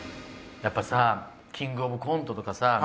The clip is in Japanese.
やっぱさキングオブコントとかさ